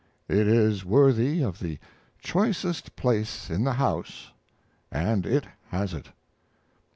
It is worthy of the choicest place in the house and it has it.